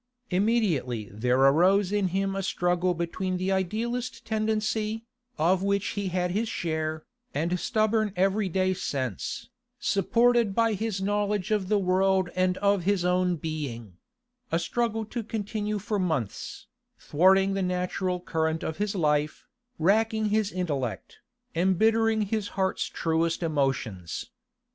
Immediately there arose in him a struggle between the idealist tendency, of which he had his share, and stubborn everyday sense, supported by his knowledge of the world and of his own being—a struggle to continue for months, thwarting the natural current of his life, racking his intellect, embittering his heart's truest emotions.